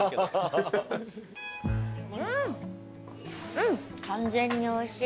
うん完全においしい。